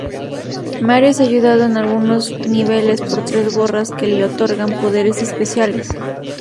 Mario es ayudado en algunos niveles por tres gorras que le otorgan poderes especiales.